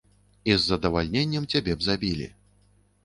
І з задавальненнем цябе б забілі.